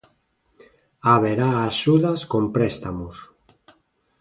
Haberá axudas con préstamos.